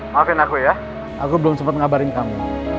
maafin aku ya aku belum sempat ngabarin kamu